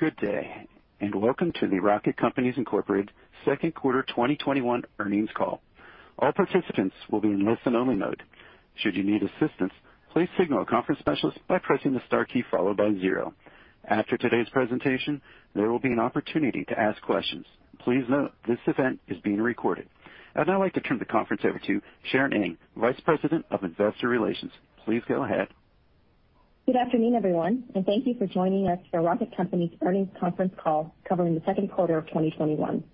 Good day, and welcome to the Rocket Companies Inc.'s second quarter 2021 earnings call. All participants will be in listen-only mode. After today's presentation, there will be an opportunity to ask questions. Please note this event is being recorded. I'd now like to turn the conference over to Sharon Ng, Vice President of Investor Relations. Please go ahead. Good afternoon, everyone. Thank you for joining us for Rocket Companies earnings conference call covering the second quarter of 2021.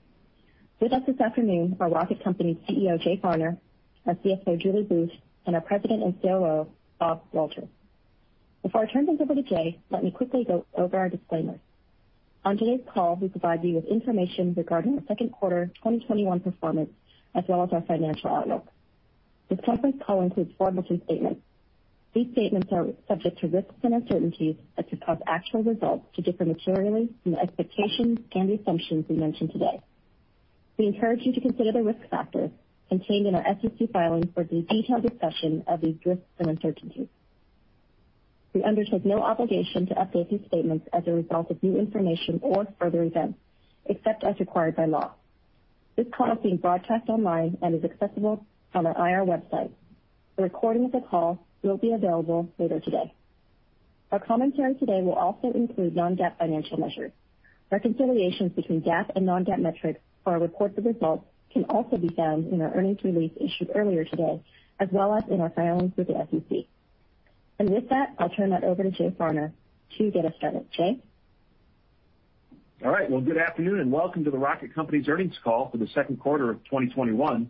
With us this afternoon are Rocket Companies' CEO, Jay Farner, our CFO, Julie Booth, and our President and COO, Bob Walters. Before I turn things over to Jay, let me quickly go over our disclaimers. On today's call, we provide you with information regarding the second quarter 2021 performance, as well as our financial outlook. This conference call includes forward-looking statements. These statements are subject to risks and uncertainties that could cause actual results to differ materially from the expectations and the assumptions we mention today. We encourage you to consider the risk factors contained in our SEC filings for the detailed discussion of these risks and uncertainties. We undertake no obligation to update these statements as a result of new information or further events, except as required by law. This call is being broadcast online and is accessible on our IR website. A recording of the call will be available later today. Our commentary today will also include non-GAAP financial measures. Reconciliations between GAAP and non-GAAP metrics for our reported results can also be found in our earnings release issued earlier today, as well as in our filings with the SEC. With that, I'll turn that over to Jay Farner to get us started. Jay? Good afternoon and welcome to the Rocket Companies earnings call for the second quarter of 2021.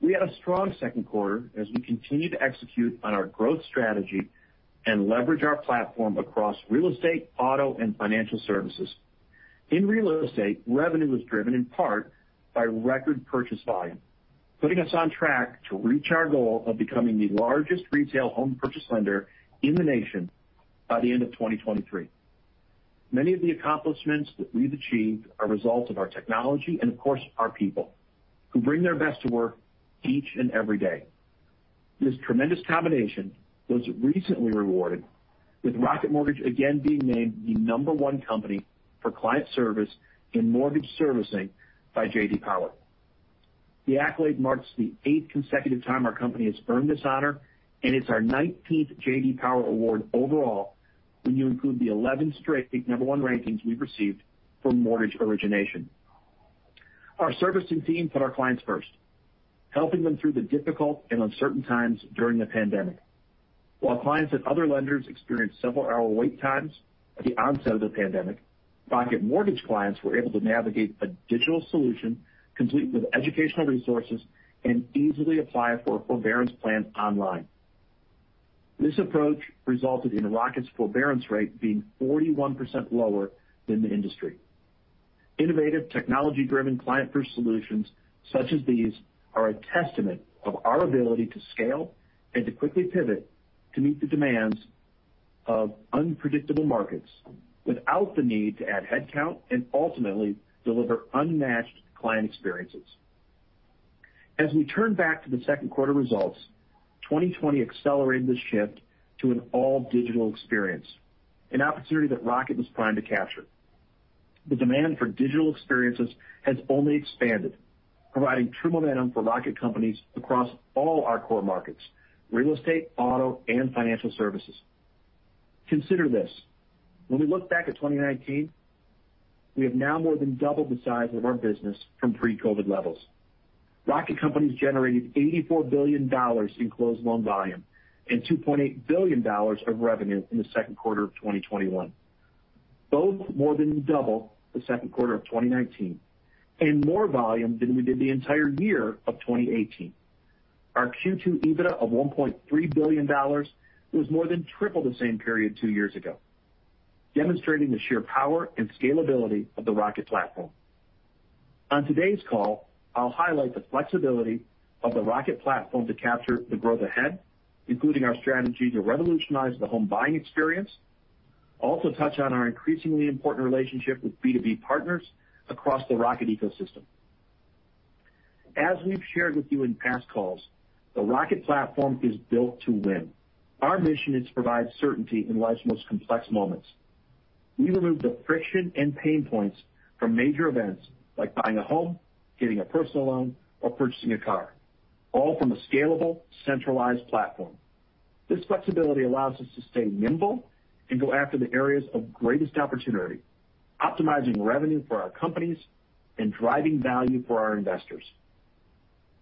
We had a strong second quarter as we continue to execute on our growth strategy and leverage our platform across real estate, auto, and financial services. In real estate, revenue was driven in part by record purchase volume, putting us on track to reach our goal of becoming the largest retail home purchase lender in the nation by the end of 2023. Many of the accomplishments that we've achieved are results of our technology and, of course, our people, who bring their best to work each and every day. This tremendous combination was recently rewarded with Rocket Mortgage again being named the number one company for client service in mortgage servicing by J.D. Power. The accolade marks the eighth consecutive time our company has earned this honor, and it's our 19th J.D. Power award overall, when you include the 11 straight number 1 rankings we've received for mortgage origination. Our servicing team put our clients first, helping them through the difficult and uncertain times during the pandemic. While clients at other lenders experienced several-hour wait times at the onset of the pandemic, Rocket Mortgage clients were able to navigate a digital solution complete with educational resources and easily apply for a forbearance plan online. This approach resulted in Rocket's forbearance rate being 41% lower than the industry. Innovative technology-driven client-first solutions such as these are a testament of our ability to scale and to quickly pivot to meet the demands of unpredictable markets without the need to add headcount and ultimately deliver unmatched client experiences. As we turn back to the second quarter results, 2020 accelerated the shift to an all-digital experience, an opportunity that Rocket was primed to capture. The demand for digital experiences has only expanded, providing true momentum for Rocket Companies across all our core markets, real estate, auto, and financial services. Consider this. When we look back at 2019, we have now more than doubled the size of our business from pre-COVID levels. Rocket Companies generated $84 billion in closed loan volume and $2.8 billion of revenue in the second quarter of 2021, both more than double the second quarter of 2019 and more volume than we did the entire year of 2018. Our Q2 EBITDA of $1.3 billion was more than triple the same period two years ago, demonstrating the sheer power and scalability of the Rocket platform. On today's call, I'll highlight the flexibility of the Rocket platform to capture the growth ahead, including our strategy to revolutionize the home buying experience. I'll also touch on our increasingly important relationship with B2B partners across the Rocket ecosystem. As we've shared with you in past calls, the Rocket platform is built to win. Our mission is to provide certainty in life's most complex moments. We remove the friction and pain points from major events like buying a home, getting a personal loan, or purchasing a car, all from a scalable, centralized platform. This flexibility allows us to stay nimble and go after the areas of greatest opportunity, optimizing revenue for our companies and driving value for our investors.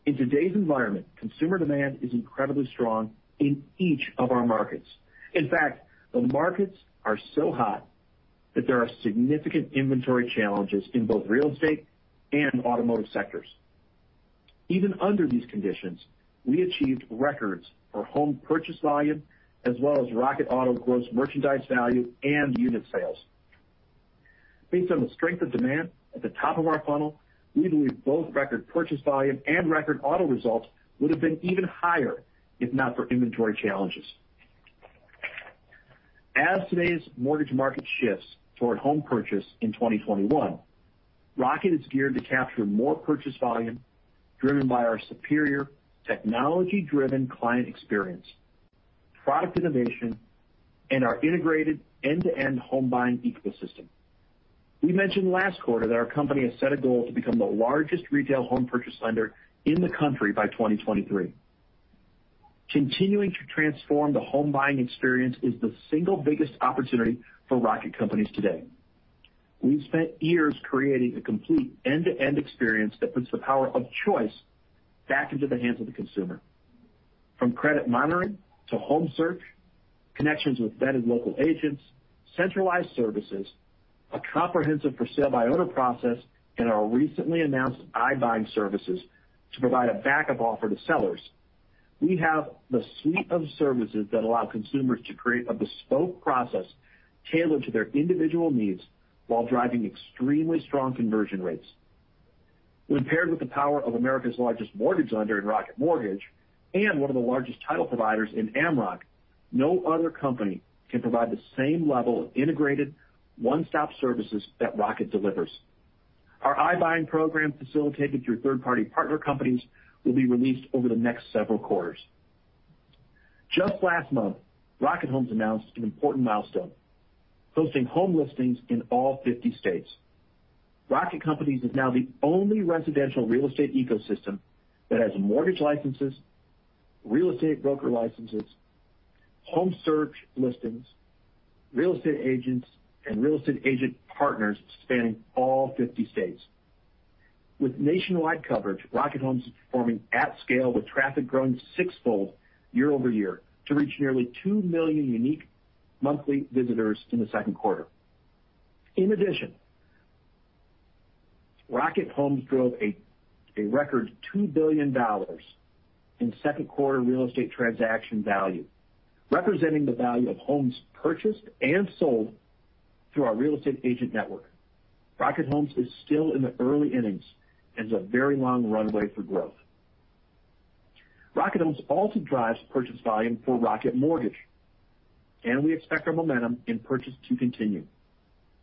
In today's environment, consumer demand is incredibly strong in each of our markets. In fact, the markets are so hot that there are significant inventory challenges in both real estate and automotive sectors. Even under these conditions, we achieved records for home purchase volume as well as Rocket Auto gross merchandise value and unit sales. Based on the strength of demand at the top of our funnel, we believe both record purchase volume and record auto results would've been even higher if not for inventory challenges. As today's mortgage market shifts toward home purchase in 2021, Rocket is geared to capture more purchase volume driven by our superior technology-driven client experience, product innovation, and our integrated end-to-end home buying ecosystem. We mentioned last quarter that our company has set a goal to become the largest retail home purchase lender in the country by 2023. Continuing to transform the home buying experience is the single biggest opportunity for Rocket Companies today. We've spent years creating a complete end-to-end experience that puts the power of choice back into the hands of the consumer. From credit monitoring to home search, connections with vetted local agents, centralized services, a comprehensive for sale by owner process, and our recently announced iBuying services to provide a backup offer to sellers. We have the suite of services that allow consumers to create a bespoke process tailored to their individual needs while driving extremely strong conversion rates. When paired with the power of America's largest mortgage lender in Rocket Mortgage, and one of the largest title providers in Amrock, no other company can provide the same level of integrated one-stop services that Rocket delivers. Our iBuying program, facilitated through third-party partner companies, will be released over the next several quarters. Just last month, Rocket Homes announced an important milestone, posting home listings in all 50 states. Rocket Companies is now the only residential real estate ecosystem that has mortgage licenses, real estate broker licenses, home search listings, real estate agents, and real estate agent partners spanning all 50 states. With nationwide coverage, Rocket Homes is performing at scale, with traffic growing sixfold year-over-year to reach nearly 2 million unique monthly visitors in the second quarter. In addition, Rocket Homes drove a record $2 billion in second quarter real estate transaction value, representing the value of homes purchased and sold through our real estate agent network. Rocket Homes is still in the early innings and has a very long runway for growth. Rocket Homes also drives purchase volume for Rocket Mortgage, and we expect our momentum in purchase to continue.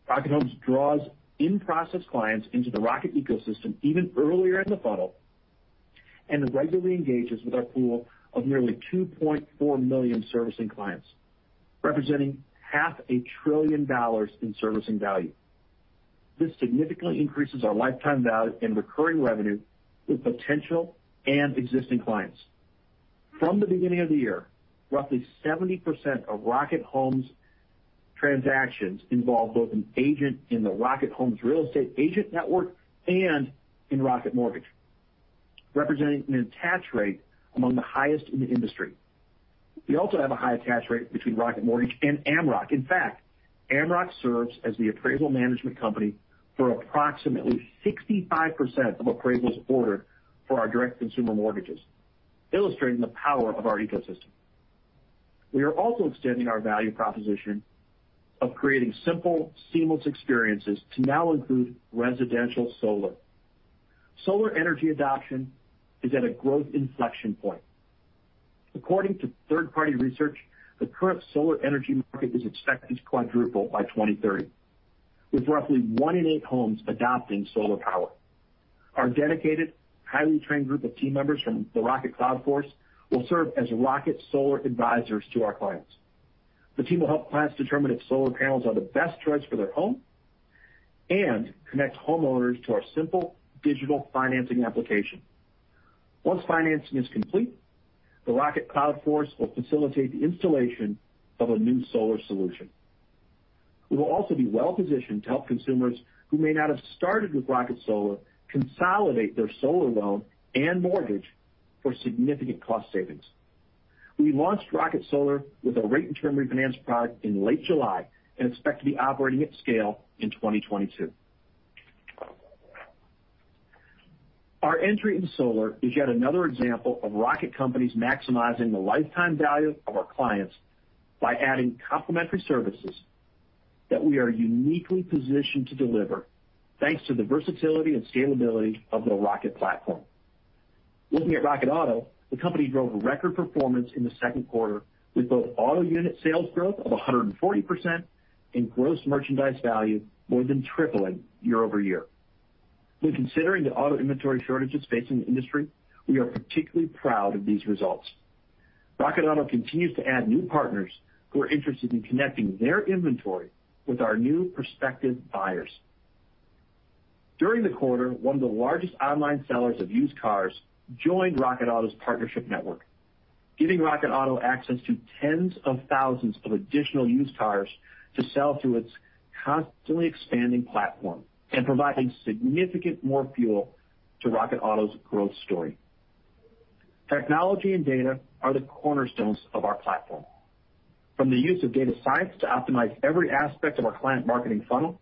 Rocket Homes draws in-process clients into the Rocket ecosystem even earlier in the funnel, and regularly engages with our pool of nearly 2.4 million servicing clients, representing half a trillion dollars in servicing value. This significantly increases our lifetime value in recurring revenue with potential and existing clients. From the beginning of the year, roughly 70% of Rocket Homes transactions involve both an agent in the Rocket Homes real estate agent network and in Rocket Mortgage, representing an attach rate among the highest in the industry. We also have a high attach rate between Rocket Mortgage and Amrock. In fact, Amrock serves as the appraisal management company for approximately 65% of appraisals ordered for our direct-to-consumer mortgages, illustrating the power of our ecosystem. We are also extending our value proposition of creating simple, seamless experiences to now include residential solar. Solar energy adoption is at a growth inflection point. According to third-party research, the current solar energy market is expected to quadruple by 2030, with roughly one in eight homes adopting solar power. Our dedicated, highly trained group of team members from the Rocket Cloud Force will serve as Rocket Solar advisors to our clients. The team will help clients determine if solar panels are the best choice for their home and connect homeowners to our simple digital financing application. Once financing is complete, the Rocket Cloud Force will facilitate the installation of a new solar solution. We will also be well-positioned to help consumers who may not have started with Rocket Solar consolidate their solar loan and mortgage for significant cost savings. We launched Rocket Solar with a rate and term refinance product in late July and expect to be operating at scale in 2022. Our entry into solar is yet another example of Rocket Companies maximizing the lifetime value of our clients by adding complementary services that we are uniquely positioned to deliver, thanks to the versatility and scalability of the Rocket platform. Looking at Rocket Auto, the company drove a record performance in the second quarter with both auto unit sales growth of 140% and gross merchandise value more than tripling year-over-year. When considering the auto inventory shortages facing the industry, we are particularly proud of these results. Rocket Auto continues to add new partners who are interested in connecting their inventory with our new prospective buyers. During the quarter, one of the largest online sellers of used cars joined Rocket Auto's partnership network, giving Rocket Auto access to tens of thousands of additional used cars to sell through its constantly expanding platform and providing significant more fuel to Rocket Auto's growth story. Technology and data are the cornerstones of our platform. From the use of data science to optimize every aspect of our client marketing funnel,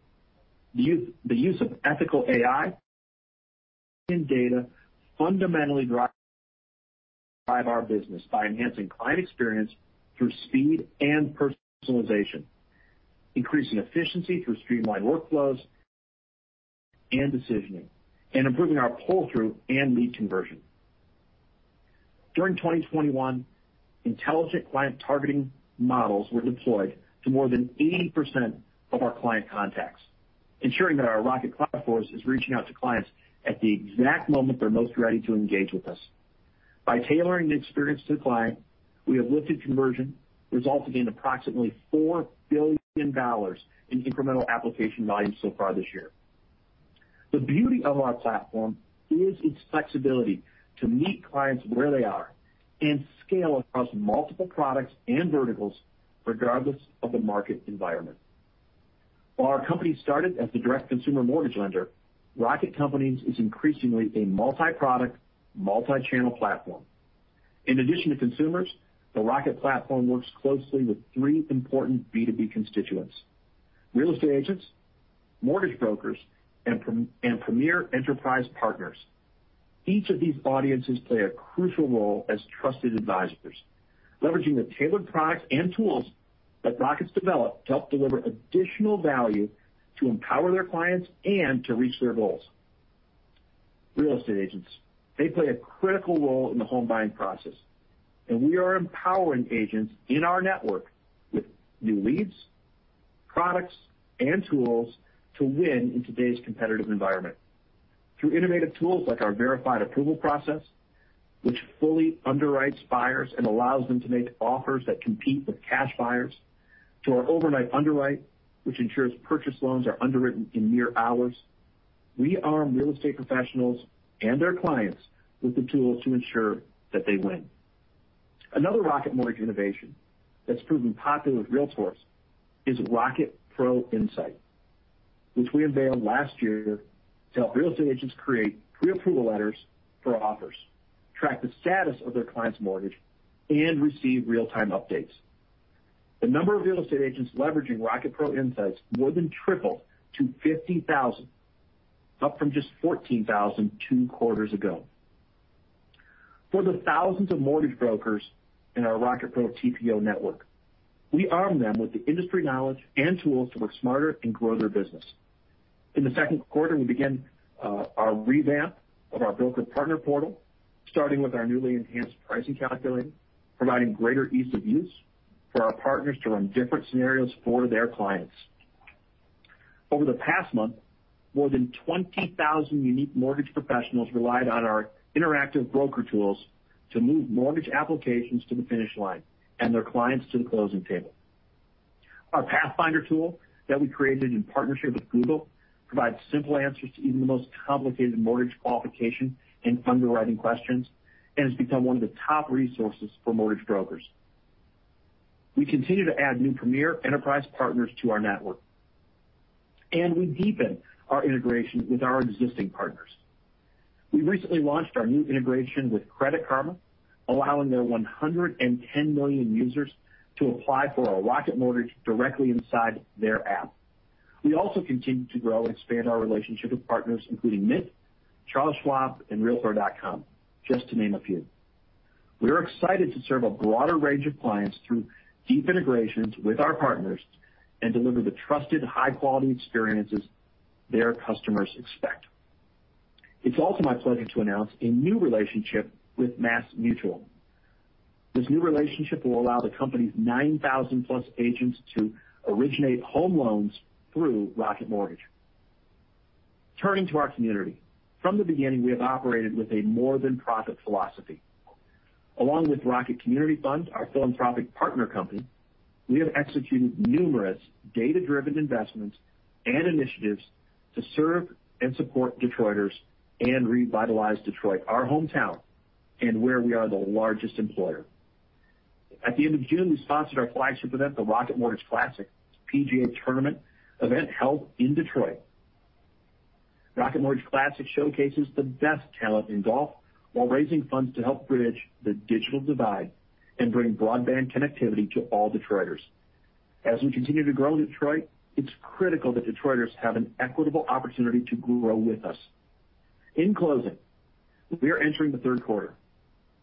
the use of ethical AI and data fundamentally drive our business by enhancing client experience through speed and personalization, increasing efficiency through streamlined workflows and decisioning, and improving our pull-through and lead conversion. During 2021, intelligent client targeting models were deployed to more than 80% of our client contacts, ensuring that our Rocket Cloud Force is reaching out to clients at the exact moment they're most ready to engage with us. By tailoring the experience to the client, we have lifted conversion, resulting in approximately $4 billion in incremental application volume so far this year. The beauty of our platform is its flexibility to meet clients where they are and scale across multiple products and verticals, regardless of the market environment. While our company started as the direct consumer mortgage lender, Rocket Companies is increasingly a multi-product, multi-channel platform. In addition to consumers, the Rocket platform works closely with three important B2B constituents: real estate agents, mortgage brokers, and premier enterprise partners. Each of these audiences play a crucial role as trusted advisors, leveraging the tailored products and tools that Rocket's developed to help deliver additional value to empower their clients and to reach their goals. Real estate agents, they play a critical role in the home buying process, and we are empowering agents in our network with new leads, products, and tools to win in today's competitive environment. Through innovative tools like our Verified Approval process, which fully underwrites buyers and allows them to make offers that compete with cash buyers, to our Overnight Underwrite, which ensures purchase loans are underwritten in mere hours, we arm real estate professionals and their clients with the tools to ensure that they win. Another Rocket Mortgage innovation that's proven popular with realtors is Rocket Pro Insight, which we unveiled last year to help real estate agents create preapproval letters for offers, track the status of their client's mortgage, and receive real-time updates. The number of real estate agents leveraging Rocket Pro Insight more than tripled to 50,000, up from just 14,000 two quarters ago. For the thousands of mortgage brokers in our Rocket Pro TPO network, we arm them with the industry knowledge and tools to work smarter and grow their business. In the second quarter, we began our revamp of our broker partner portal, starting with our newly enhanced pricing calculator, providing greater ease of use for our partners to run different scenarios for their clients. Over the past month, more than 20,000 unique mortgage professionals relied on our interactive broker tools to move mortgage applications to the finish line and their clients to the closing table. Our Pathfinder tool that we created in partnership with Google provides simple answers to even the most complicated mortgage qualification and underwriting questions and has become one of the top resources for mortgage brokers. We continue to add new premier enterprise partners to our network, we deepen our integration with our existing partners. We recently launched our new integration with Credit Karma, allowing their 110 million users to apply for a Rocket Mortgage directly inside their app. We also continue to grow and expand our relationship with partners including Mint, Charles Schwab, and realtor.com, just to name a few. We are excited to serve a broader range of clients through deep integrations with our partners and deliver the trusted, high-quality experiences their customers expect. It's also my pleasure to announce a new relationship with MassMutual. This new relationship will allow the company's 9,000-plus agents to originate home loans through Rocket Mortgage. Turning to our community. From the beginning, we have operated with a more than profit philosophy. Along with Rocket Community Fund, our philanthropic partner company, we have executed numerous data-driven investments and initiatives to serve and support Detroiters and revitalize Detroit, our hometown, and where we are the largest employer. At the end of June, we sponsored our flagship event, the Rocket Mortgage Classic, a PGA TOUR event held in Detroit. Rocket Mortgage Classic showcases the best talent in golf while raising funds to help bridge the digital divide and bring broadband connectivity to all Detroiters. As we continue to grow in Detroit, it's critical that Detroiters have an equitable opportunity to grow with us. In closing, we are entering the third quarter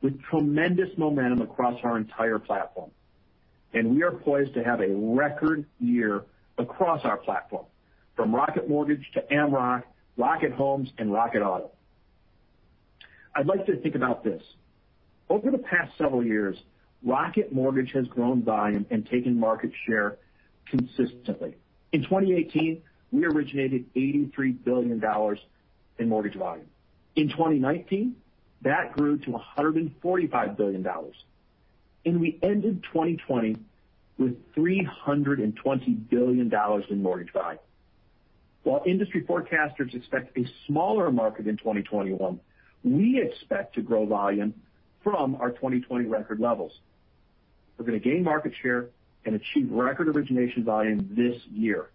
with tremendous momentum across our entire platform. We are poised to have a record year across our platform, from Rocket Mortgage to Amrock, Rocket Homes, and Rocket Auto. I'd like to think about this. Over the past several years, Rocket Mortgage has grown volume and taken market share consistently. In 2018, we originated $83 billion in mortgage volume. In 2019, that grew to $145 billion. We ended 2020 with $320 billion in mortgage volume. While industry forecasters expect a smaller market in 2021, we expect to grow volume from our 2020 record levels. We're going to gain market share and achieve record origination volume this year.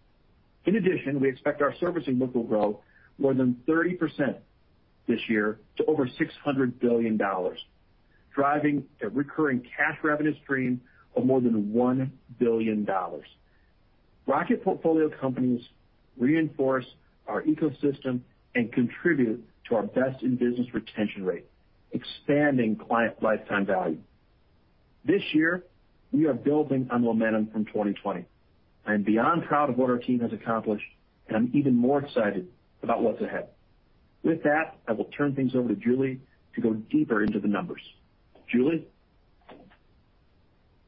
In addition, we expect our servicing book will grow more than 30% this year to over $600 billion, driving a recurring cash revenue stream of more than $1 billion. Rocket portfolio companies reinforce our ecosystem and contribute to our best-in-business retention rate, expanding client lifetime value. This year, we are building on momentum from 2020. I am beyond proud of what our team has accomplished, and I'm even more excited about what's ahead. With that, I will turn things over to Julie to go deeper into the numbers. Julie?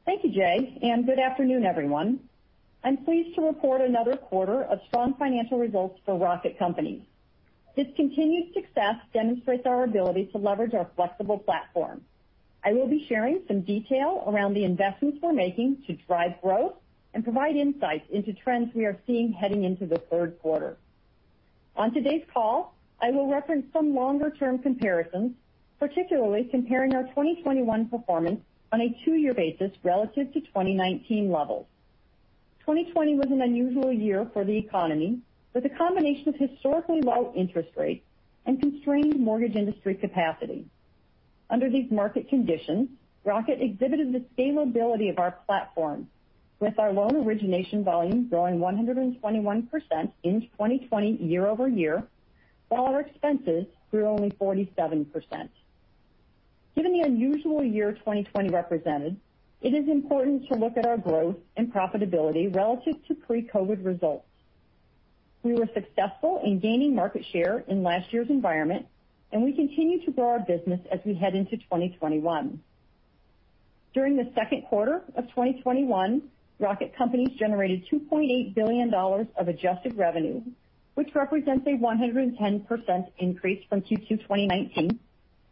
Thank you, Jay. Good afternoon, everyone. I'm pleased to report another quarter of strong financial results for Rocket Companies. This continued success demonstrates our ability to leverage our flexible platform. I will be sharing some detail around the investments we're making to drive growth and provide insights into trends we are seeing heading into the third quarter. On today's call, I will reference some longer-term comparisons, particularly comparing our 2021 performance on a two-year basis relative to 2019 levels. 2020 was an unusual year for the economy, with a combination of historically low interest rates and constrained mortgage industry capacity. Under these market conditions, Rocket exhibited the scalability of our platform, with our loan origination volume growing 121% in 2020 year-over-year, while our expenses grew only 47%. Given the unusual year 2020 represented, it is important to look at our growth and profitability relative to pre-COVID results. We were successful in gaining market share in last year's environment, and we continue to grow our business as we head into 2021. During the second quarter of 2021, Rocket Companies generated $2.8 billion of adjusted revenue, which represents a 110% increase from Q2 2019,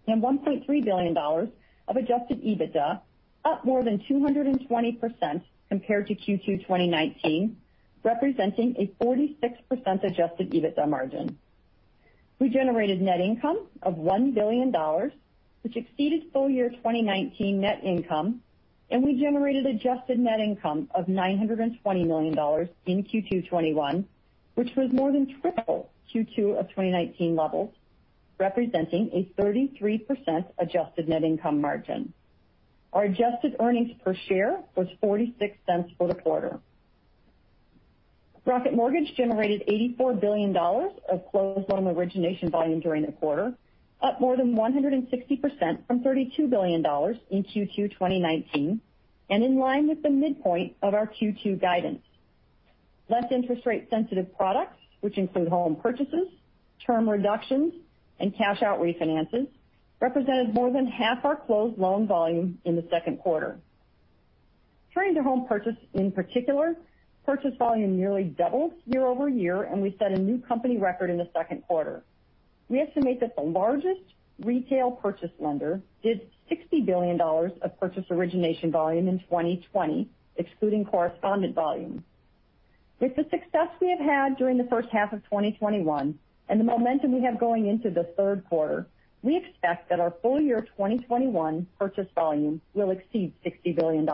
and $1.3 billion of adjusted EBITDA, up more than 220% compared to Q2 2019, representing a 46% adjusted EBITDA margin. We generated net income of $1 billion, which exceeded full year 2019 net income, and we generated adjusted net income of $920 million in Q2 2021, which was more than triple Q2 of 2019 levels, representing a 33% adjusted net income margin. Our adjusted earnings per share was $0.46 for the quarter. Rocket Mortgage generated $84 billion of closed loan origination volume during the quarter, up more than 160% from $32 billion in Q2 2019, and in line with the midpoint of our Q2 guidance. Less interest rate-sensitive products, which include home purchases, term reductions, and cash-out refinances, represented more than half our closed loan volume in the second quarter. Turning to home purchase in particular, purchase volume nearly doubled year-over-year, and we set a new company record in the second quarter. We estimate that the largest retail purchase lender did $60 billion of purchase origination volume in 2020, excluding correspondent volume. With the success we have had during the first half of 2021, and the momentum we have going into the third quarter, we expect that our full year 2021 purchase volume will exceed $60 billion.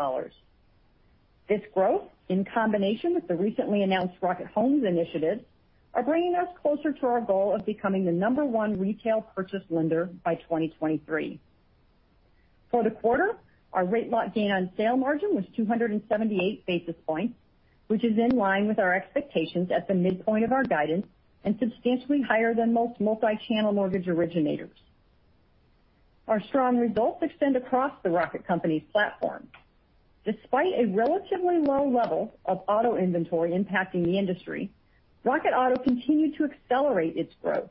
This growth, in combination with the recently announced Rocket Homes initiative, are bringing us closer to our goal of becoming the number one retail purchase lender by 2023. For the quarter, our rate lock gain on sale margin was 278 basis points, which is in line with our expectations at the midpoint of our guidance, and substantially higher than most multi-channel mortgage originators. Our strong results extend across the Rocket Companies platform. Despite a relatively low level of auto inventory impacting the industry, Rocket Auto continued to accelerate its growth,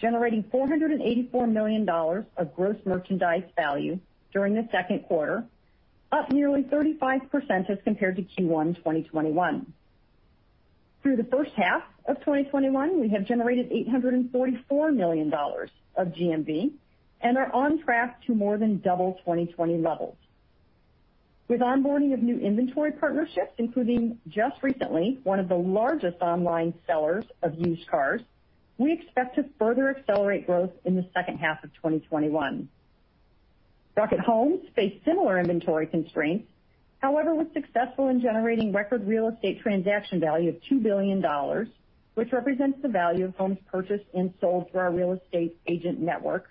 generating $484 million of gross merchandise value during the second quarter, up nearly 35% as compared to Q1 2021. Through the first half of 2021, we have generated $844 million of GMV and are on track to more than double 2020 levels. With onboarding of new inventory partnerships, including just recently one of the largest online sellers of used cars, we expect to further accelerate growth in the second half of 2021. Rocket Homes faced similar inventory constraints, however, was successful in generating record real estate transaction value of $2 billion, which represents the value of homes purchased and sold through our real estate agent network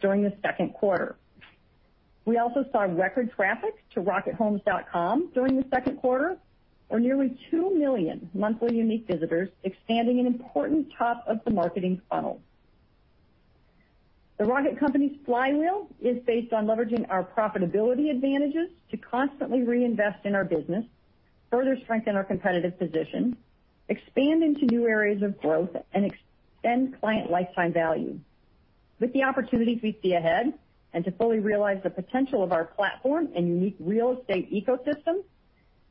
during the second quarter. We also saw record traffic to rockethomes.com during the second quarter, or nearly 2 million monthly unique visitors, expanding an important top of the marketing funnel. The Rocket Companies flywheel is based on leveraging our profitability advantages to constantly reinvest in our business, further strengthen our competitive position, expand into new areas of growth, and extend client lifetime value. With the opportunities we see ahead, and to fully realize the potential of our platform and unique real estate ecosystem,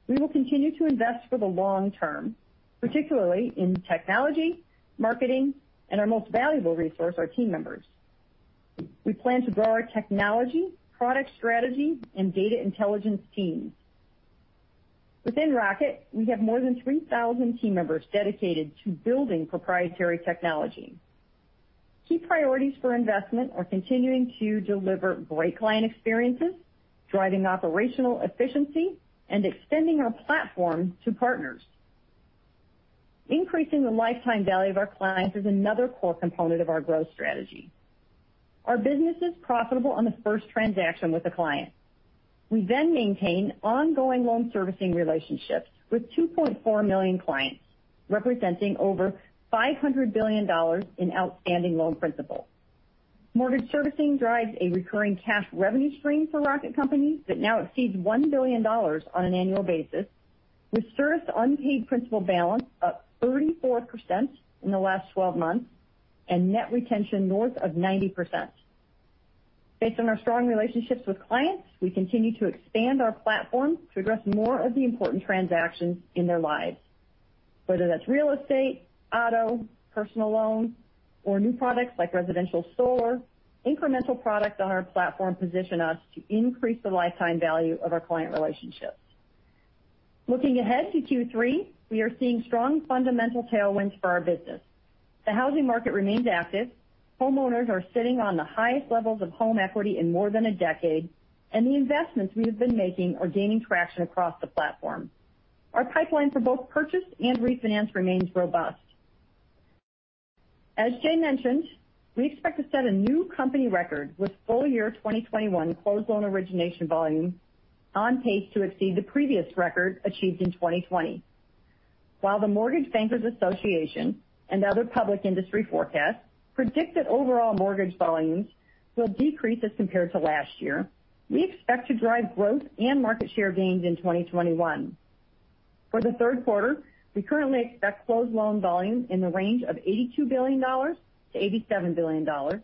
we will continue to invest for the long term, particularly in technology, marketing, and our most valuable resource, our team members. We plan to grow our technology, product strategy, and data intelligence teams. Within Rocket, we have more than 3,000 team members dedicated to building proprietary technology. Key priorities for investment are continuing to deliver great client experiences, driving operational efficiency, and extending our platform to partners. Increasing the lifetime value of our clients is another core component of our growth strategy. Our business is profitable on the first transaction with a client. We then maintain ongoing loan servicing relationships with 2.4 million clients, representing over $500 billion in outstanding loan principal. Mortgage servicing drives a recurring cash revenue stream for Rocket Companies that now exceeds $1 billion on an annual basis, with serviced unpaid principal balance up 34% in the last 12 months and net retention north of 90%. Based on our strong relationships with clients, we continue to expand our platform to address more of the important transactions in their lives. Whether that's real estate, Rocket Auto, Rocket Loans, or new products like Rocket Solar, incremental products on our platform position us to increase the lifetime value of our client relationships. Looking ahead to Q3, we are seeing strong fundamental tailwinds for our business. The housing market remains active. Homeowners are sitting on the highest levels of home equity in more than a decade, and the investments we have been making are gaining traction across the platform. Our pipeline for both purchase and refinance remains robust. As Jay mentioned, we expect to set a new company record with full year 2021 closed loan origination volume on pace to exceed the previous record achieved in 2020. While the Mortgage Bankers Association and other public industry forecasts predict that overall mortgage volumes will decrease as compared to last year, we expect to drive growth and market share gains in 2021. For the third quarter, we currently expect closed loan volume in the range of $82 billion-$87 billion,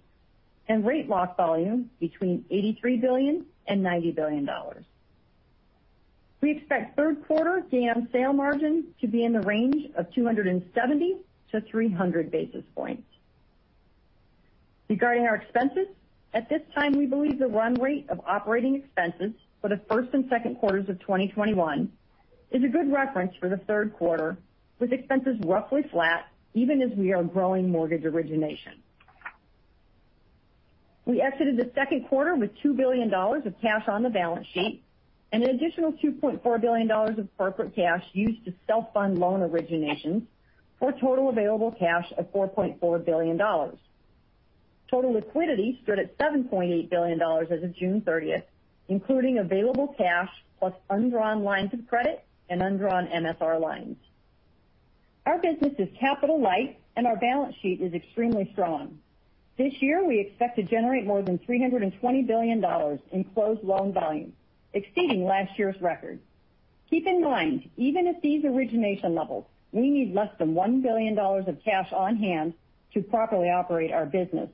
and rate lock volume between $83 billion and $90 billion. We expect third quarter gain on sale margin to be in the range of 270-300 basis points. Regarding our expenses, at this time, we believe the run rate of operating expenses for the first and second quarters of 2021 is a good reference for the third quarter, with expenses roughly flat even as we are growing mortgage origination. We exited the second quarter with $2 billion of cash on the balance sheet and an additional $2.4 billion of corporate cash used to self-fund loan originations, for a total available cash of $4.4 billion. Total liquidity stood at $7.8 billion as of June 30th, including available cash plus undrawn lines of credit and undrawn MSR lines. Our business is capital light and our balance sheet is extremely strong. This year, we expect to generate more than $320 billion in closed loan volume, exceeding last year's record. Keep in mind, even at these origination levels, we need less than $1 billion of cash on hand to properly operate our business.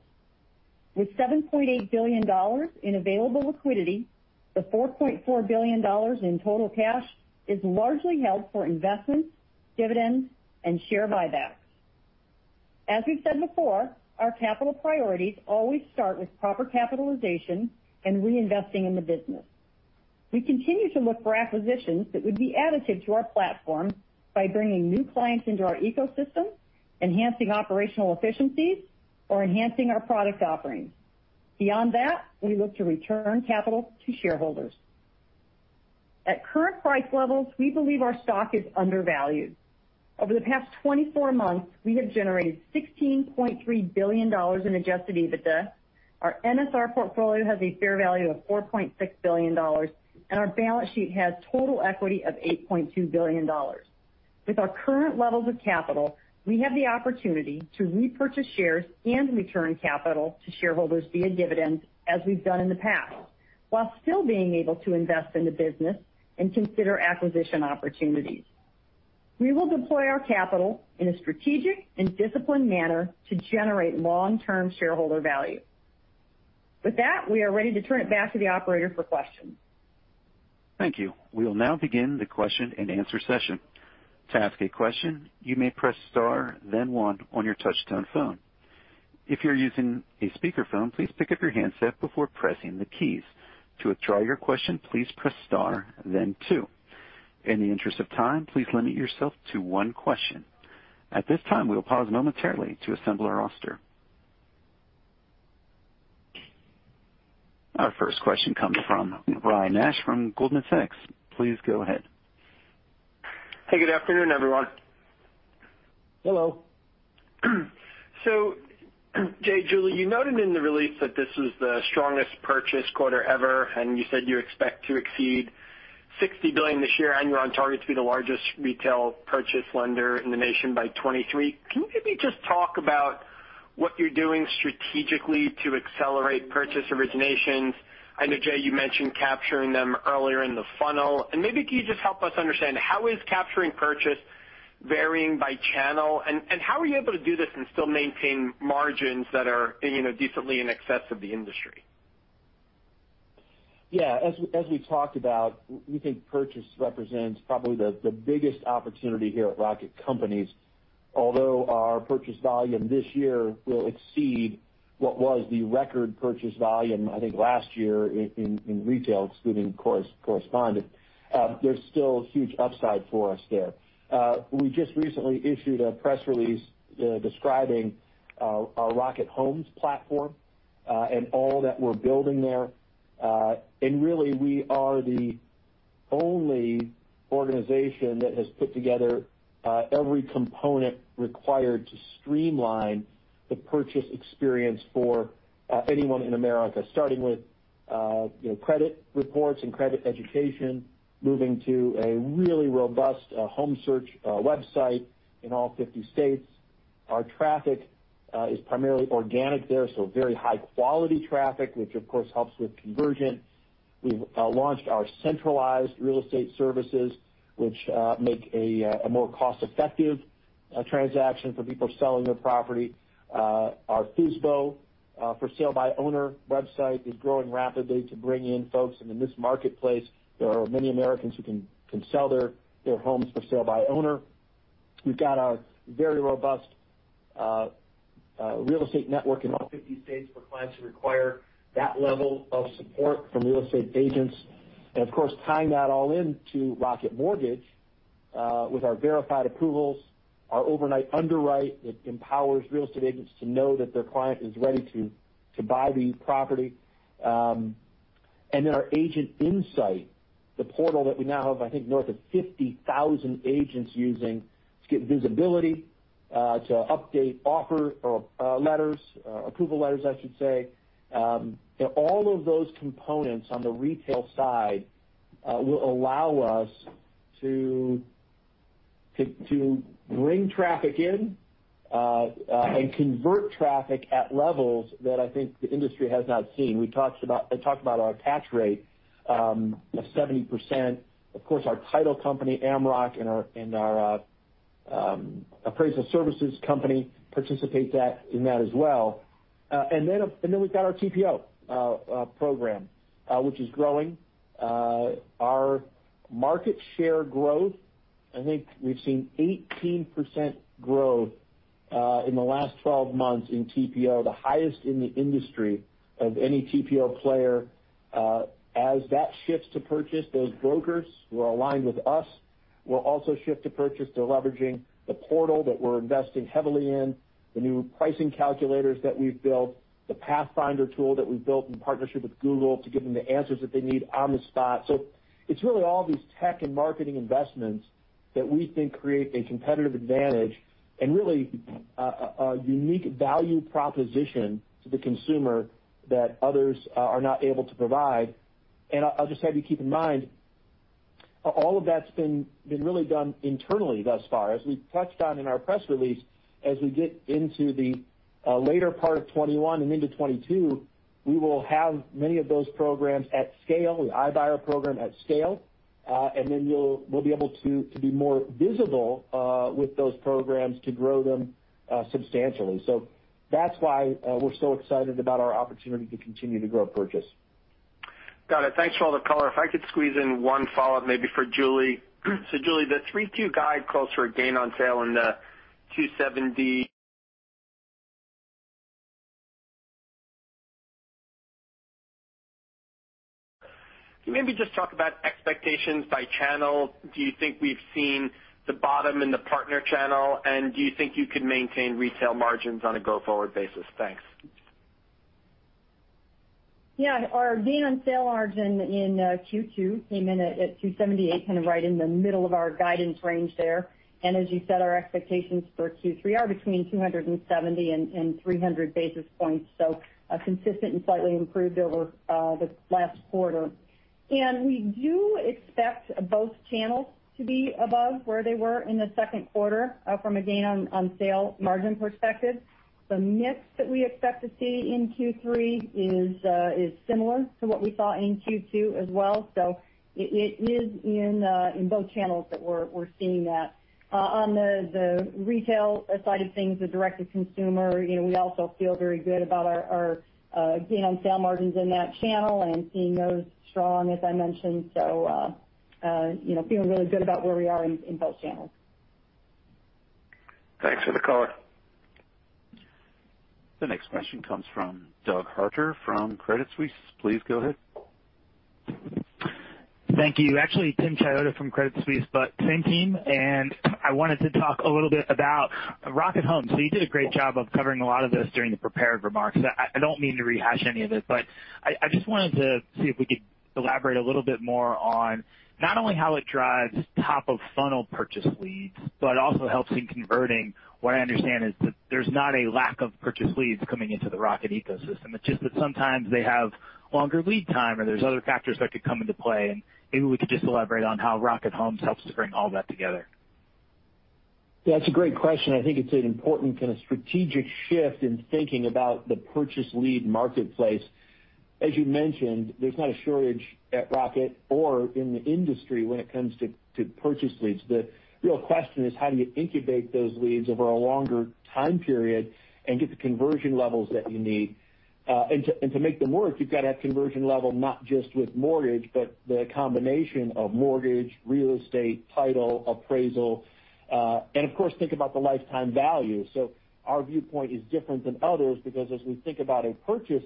With $7.8 billion in available liquidity, the $4.4 billion in total cash is largely held for investments, dividends, and share buybacks. As we've said before, our capital priorities always start with proper capitalization and reinvesting in the business. We continue to look for acquisitions that would be additive to our platform by bringing new clients into our ecosystem, enhancing operational efficiencies, or enhancing our product offerings. Beyond that, we look to return capital to shareholders. At current price levels, we believe our stock is undervalued. Over the past 24 months, we have generated $16.3 billion in adjusted EBITDA. Our MSR portfolio has a fair value of $4.6 billion, and our balance sheet has total equity of $8.2 billion. With our current levels of capital, we have the opportunity to repurchase shares and return capital to shareholders via dividends, as we've done in the past, while still being able to invest in the business and consider acquisition opportunities. We will deploy our capital in a strategic and disciplined manner to generate long-term shareholder value. With that, we are ready to turn it back to the operator for questions. Thank you. We will now begin the question-and-answer session. To ask a question, you may press star then one on your touch-tone phone. If you're using a speakerphone, please pick up your handset before pressing the keys. To withdraw your question, please press star then two. In the interest of time, please limit yourself to one question. At this time, we will pause momentarily to assemble our roster. Our first question comes from Ryan Nash from Goldman Sachs. Please go ahead. Hey, good afternoon, everyone. Hello. Jay, Julie, you noted in the release that this was the strongest purchase quarter ever, you said you expect to exceed $60 billion this year, and you're on target to be the largest retail purchase lender in the nation by 2023. Can you maybe just talk about what you're doing strategically to accelerate purchase originations? I know, Jay, you mentioned capturing them earlier in the funnel. Maybe can you just help us understand how is capturing purchase varying by channel, and how are you able to do this and still maintain margins that are decently in excess of the industry? As we talked about, we think purchase represents probably the biggest opportunity here at Rocket Companies. Our purchase volume this year will exceed what was the record purchase volume, I think, last year in retail, excluding correspondent. There's still huge upside for us there. We just recently issued a press release describing our Rocket Homes platform, and all that we're building there. Really, we are the only organization that has put together every component required to streamline the purchase experience for anyone in America. Starting with Credit reports and credit education, moving to a really robust home search website in all 50 states. Our traffic is primarily organic there, very high-quality traffic, which of course helps with conversion. We've launched our centralized real estate services, which make a more cost-effective transaction for people selling their property. Our FSBO, For Sale by Owner website is growing rapidly to bring in folks, in this marketplace, there are many Americans who can sell their homes for sale by owner. We've got our very robust real estate network in all 50 states for clients who require that level of support from real estate agents. Of course, tying that all into Rocket Mortgage with our Verified Approvals, our Overnight Underwrite, it empowers real estate agents to know that their client is ready to buy the property. And our agent insight, the portal that we now have, I think, north of 50,000 agents using to get visibility, to update offer letters, approval letters, I should say. All of those components on the retail side will allow us to bring traffic in and convert traffic at levels that I think the industry has not seen. I talked about our attach rate of 70%. Of course, our title company, Amrock, and our appraisal services company participate in that as well. We've got our TPO program, which is growing. Our market share growth, I think we've seen 18% growth in the last 12 months in TPO, the highest in the industry of any TPO player. As that shifts to purchase, those brokers who are aligned with us will also shift to purchase. They're leveraging the portal that we're investing heavily in, the new pricing calculators that we've built, the Pathfinder tool that we've built in partnership with Google to give them the answers that they need on the spot. It's really all these tech and marketing investments that we think create a competitive advantage and really a unique value proposition to the consumer that others are not able to provide. I'll just have you keep in mind, all of that's been really done internally thus far. As we touched on in our press release, as we get into the later part of 2021 and into 2022, we will have many of those programs at scale, the iBuyer program at scale. Then we'll be able to be more visible with those programs to grow them substantially. That's why we're so excited about our opportunity to continue to grow purchase. Got it. Thanks for all the color. If I could squeeze in one follow-up, maybe for Julie. Julie, the 3Q guide calls for a gain on sale in the 270. Can you maybe just talk about expectations by channel? Do you think we've seen the bottom in the partner channel, and do you think you can maintain retail margins on a go-forward basis? Thanks. Yeah. Our gain on sale margin in Q2 came in at 278, kind of right in the middle of our guidance range there. As you said, our expectations for Q3 are between 270 and 300 basis points, consistent and slightly improved over the last quarter. We do expect both channels to be above where they were in the second quarter from a gain on sale margin perspective. The mix that we expect to see in Q3 is similar to what we saw in Q2 as well. It is in both channels that we're seeing that. On the retail side of things, the direct-to-consumer, we also feel very good about our gain on sale margins in that channel and seeing those strong as I mentioned. Feeling really good about where we are in both channels. Thanks for the color. The next question comes from Doug Harter from Credit Suisse. Please go ahead. Thank you. Actually, Tim Chiodo from Credit Suisse, but same team. I wanted to talk a little bit about Rocket Homes. You did a great job of covering a lot of this during the prepared remarks. I don't mean to rehash any of it, but I just wanted to see if we could elaborate a little bit more on not only how it drives top-of-funnel purchase leads, but also helps in converting. What I understand is that there's not a lack of purchase leads coming into the Rocket ecosystem. It's just that sometimes they have longer lead time or there's other factors that could come into play, and maybe we could just elaborate on how Rocket Homes helps to bring all that together. It's a great question. I think it's an important kind of strategic shift in thinking about the purchase lead marketplace. As you mentioned, there's not a shortage at Rocket or in the industry when it comes to purchase leads. The real question is how do you incubate those leads over a longer time period and get the conversion levels that you need? To make them work, you've got to have conversion level, not just with mortgage, but the combination of mortgage, real estate, title, appraisal. Of course, think about the lifetime value. Our viewpoint is different than others because as we think about a purchase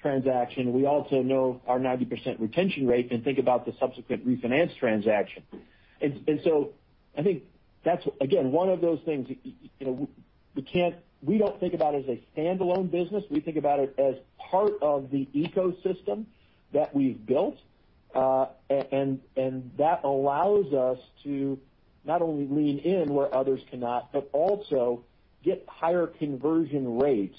transaction, we also know our 90% retention rate and think about the subsequent refinance transaction. I think that's, again, one of those things. We don't think about it as a standalone business. We think about it as part of the ecosystem that we've built. That allows us to not only lean in where others cannot, but also get higher conversion rates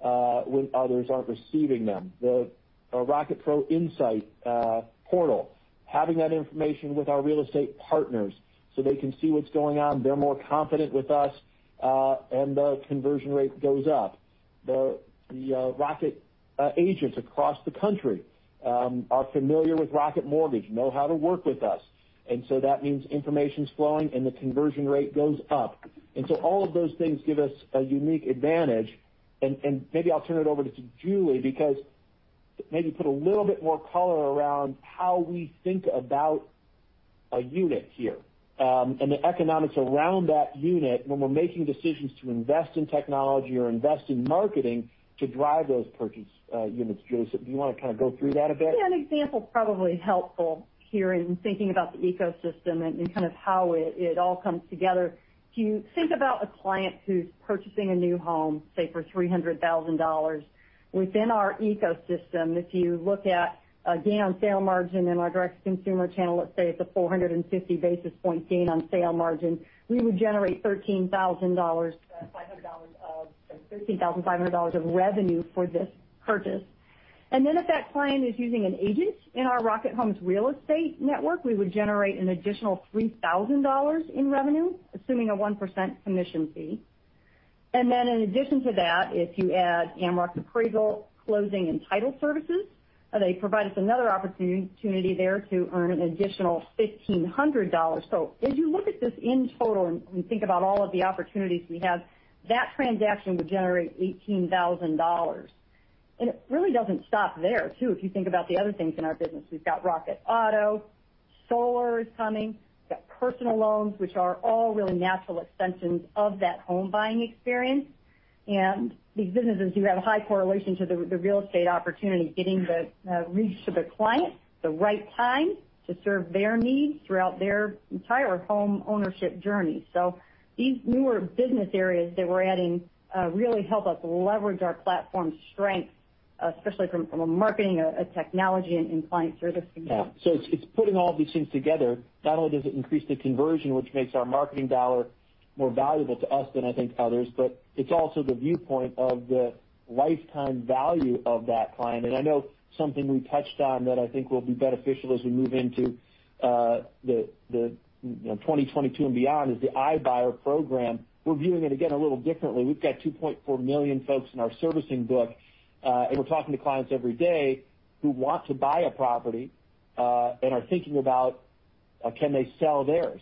when others aren't receiving them. The Rocket Pro Insight portal, having that information with our real estate partners so they can see what's going on, they're more confident with us, and the conversion rate goes up. The Rocket agents across the country are familiar with Rocket Mortgage, know how to work with us, and so that means information's flowing and the conversion rate goes up. All of those things give us a unique advantage. Maybe I'll turn it over to Julie, because maybe put a little bit more color around how we think about a unit here, and the economics around that unit when we're making decisions to invest in technology or invest in marketing to drive those purchase units. Julie, do you want to kind of go through that a bit? Yeah, an example is probably helpful here in thinking about the ecosystem and kind of how it all comes together. If you think about a client who's purchasing a new home, say for $300,000. Within our ecosystem, if you look at gain on sale margin in our direct-to-consumer channel, let's say it's a 450 basis point gain on sale margin, we would generate $13,500 of revenue for this purchase. If that client is using an agent in our Rocket Homes real estate network, we would generate an additional $3,000 in revenue, assuming a 1% commission fee. In addition to that, if you add Amrock appraisal, closing, and title services, they provide us another opportunity there to earn an additional $1,500. If you look at this in total and think about all of the opportunities we have, that transaction would generate $18,000. It really doesn't stop there, too, if you think about the other things in our business. We've got Rocket Auto, solar is coming, we've got personal loans, which are all really natural extensions of that home buying experience. These businesses do have a high correlation to the real estate opportunity, getting the reach to the client at the right time to serve their needs throughout their entire home ownership journey. These newer business areas that we're adding really help us leverage our platform strength, especially from a marketing, a technology, and client service perspective. Yeah. It's putting all of these things together. Not only does it increase the conversion, which makes our marketing dollar more valuable to us than I think others, but it's also the viewpoint of the lifetime value of that client. I know something we touched on that I think will be beneficial as we move into 2022 and beyond is the iBuyer program. We're viewing it again a little differently. We've got 2.4 million folks in our servicing book, and we're talking to clients every day who want to buy a property, and are thinking about can they sell theirs.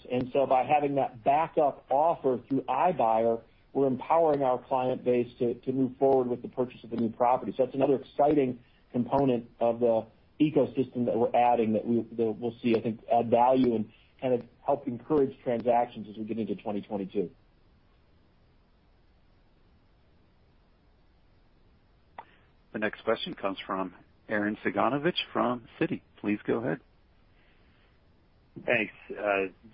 By having that backup offer through iBuyer, we're empowering our client base to move forward with the purchase of a new property. That's another exciting component of the ecosystem that we're adding that we'll see, I think, add value and kind of help encourage transactions as we get into 2022. The next question comes from Arren Cyganovich from Citi. Please go ahead Thanks.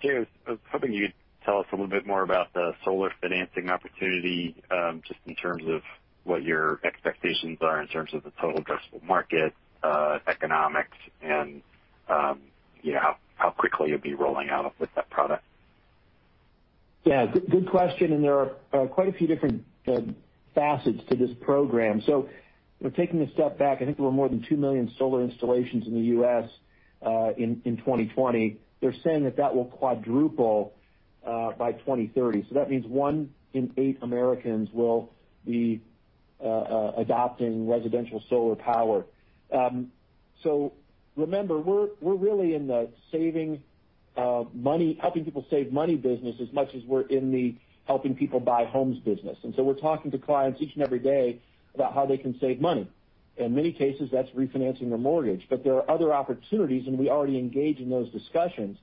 Jay, I was hoping you could tell us a little bit more about the solar financing opportunity, just in terms of what your expectations are in terms of the total addressable market, economics, and how quickly you'll be rolling out with that product? Yeah. Good question, and there are quite a few different facets to this program. Taking a step back, I think there were more than 2 million solar installations in the U.S. in 2020. They're saying that that will quadruple by 2030. That means one in eight Americans will be adopting residential solar power. Remember, we're really in the helping people save money business as much as we're in the helping people buy homes business. We're talking to clients each and every day about how they can save money. In many cases, that's refinancing their mortgage. There are other opportunities, and we already engage in those discussions.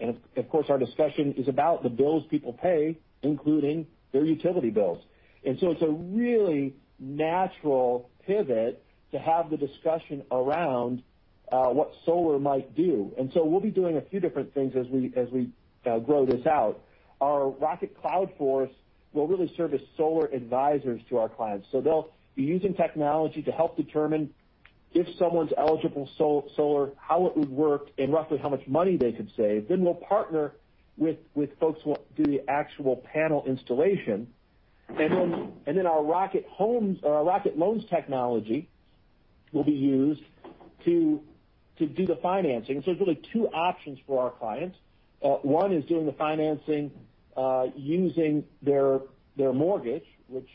Of course, our discussion is about the bills people pay, including their utility bills. It's a really natural pivot to have the discussion around what solar might do. We'll be doing a few different things as we grow this out. Our Rocket Cloud Force will really serve as solar advisors to our clients. They'll be using technology to help determine if someone's eligible solar, how it would work, and roughly how much money they could save. We'll partner with folks who will do the actual panel installation. Our Rocket Loans technology will be used to do the financing. There's really two options for our clients. One is doing the financing using their mortgage, which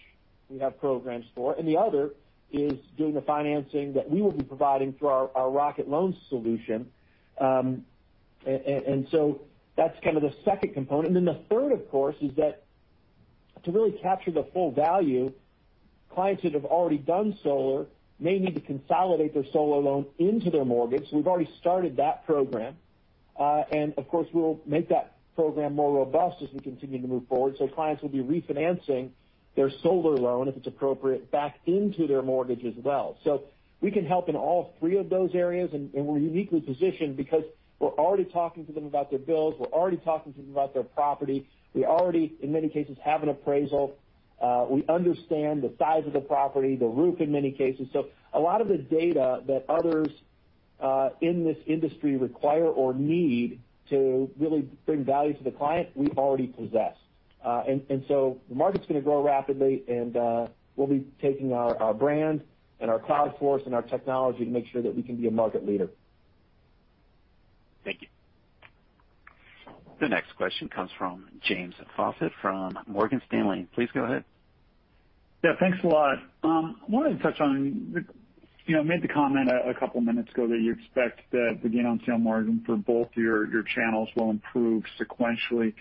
we have programs for. The other is doing the financing that we will be providing through our Rocket Loans solution. That's kind of the second component. The third, of course, is that to really capture the full value, clients that have already done solar may need to consolidate their solar loan into their mortgage. We've already started that program. Of course, we'll make that program more robust as we continue to move forward. Clients will be refinancing their solar loan, if it's appropriate, back into their mortgage as well. We can help in all three of those areas, and we're uniquely positioned because we're already talking to them about their bills, we're already talking to them about their property. We already, in many cases, have an appraisal. We understand the size of the property, the roof in many cases. A lot of the data that others in this industry require or need to really bring value to the client, we already possess. The market's going to grow rapidly, and we'll be taking our brand and our Rocket Cloud Force and our technology to make sure that we can be a market leader. Thank you. The next question comes from James Faucette from Morgan Stanley. Please go ahead. Yeah, thanks a lot. I wanted to touch on, you made the comment a couple of minutes ago that you expect that the gain on sale margin for both your channels will improve sequentially. I'm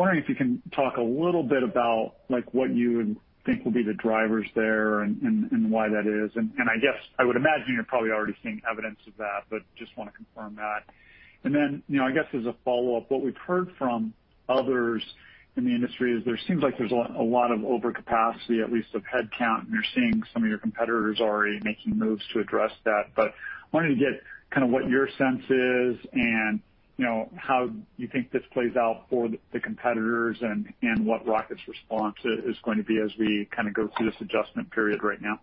wondering if you can talk a little bit about what you think will be the drivers there and why that is. I guess I would imagine you're probably already seeing evidence of that, but just want to confirm that. Then, I guess as a follow-up, what we've heard from others in the industry is there seems like there's a lot of overcapacity, at least of headcount, and you're seeing some of your competitors already making moves to address that. I wanted to get kind of what your sense is and how you think this plays out for the competitors and what Rocket's response is going to be as we kind of go through this adjustment period right now.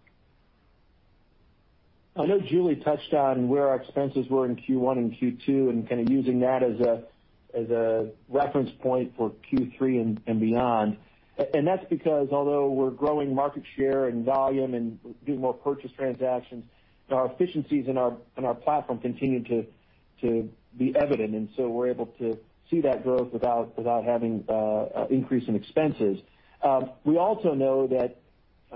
I know Julie touched on where our expenses were in Q1 and Q2, kind of using that as a reference point for Q3 and beyond. That's because although we're growing market share and volume and doing more purchase transactions, our efficiencies in our platform continue to be evident, we're able to see that growth without having an increase in expenses. We also know that